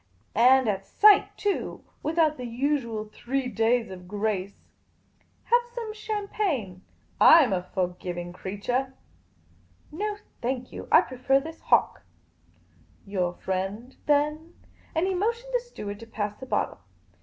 And at sight, too, without the usual three days of grace. Have some of my champagne ? I 'm a forgiving creachah." " No, thank you. I prefer this hock." Your friend, then ?" And he motioned the steward to pass the bottle.